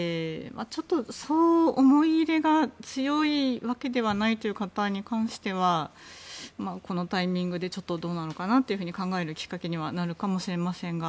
そう思い入れが強いわけではないという方に関してはこのタイミングでどうなのかなと考えるきっかけにはなるかもしれませんが。